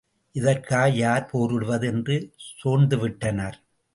இதற்காக யார் போரிடுவது என்று சோர்ந்துவிட்டனர்.